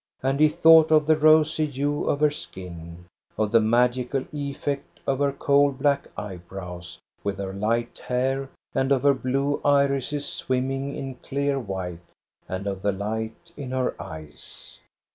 And he thought of the rosy hue of her skin, of the magical effect of her coal black eyebrows with her light hair, and of her blue irises swimming in clear white, and of the light in her eyes.